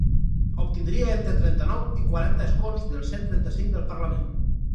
Obtindria entre trenta-nou i quaranta escons dels cent trenta-cinc del parlament.